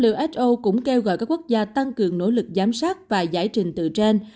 who cũng kêu gọi các quốc gia tăng cường nỗ lực giám sát và giải trình từ trên